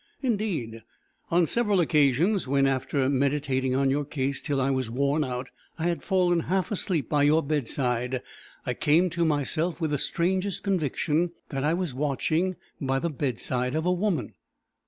"Indeed, on several occasions, when, after meditating on your case till I was worn out, I had fallen half asleep by your bedside, I came to myself with the strangest conviction that I was watching by the bedside of a woman."